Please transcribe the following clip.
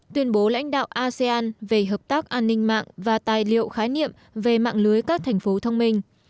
tuyên bố lãnh đạo asean về hợp tác an ninh mạng và tài liệu khái niệm về mạng lưới các thành phố thông minh